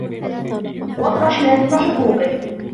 وَاطَّرَحَ لَازِمَ حُقُوقِهِ